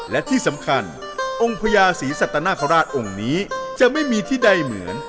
และที่สำคัญองค์พญาศรีสัตนคราชองค์นี้จะไม่มีที่ใดเหมือน